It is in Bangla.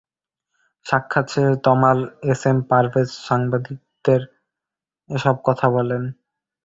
সাক্ষাৎ শেষে তমাল এস এম পারভেজ সাংবাদিকদের এসব কথা বলেন।